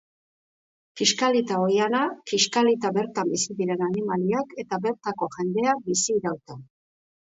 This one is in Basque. Kiskalita oihana, kiskalita bertan bizi diren animaliak eta bertako jendea bizirauten.